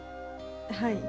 はい。